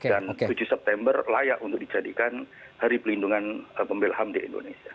dan tujuh september layak untuk dijadikan hari pelindungan pembelahan di indonesia